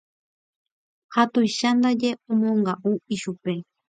Ha tuicha ndaje omonga'u ichupe.